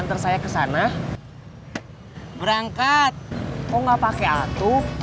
kok gak pake atuh